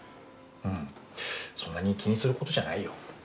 うんそんなに気にすることじゃないよ